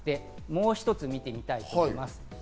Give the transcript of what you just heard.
もう一つ見たいと思います。